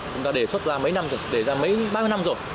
chúng ta đề xuất ra mấy năm rồi đề ra mấy ba mươi năm rồi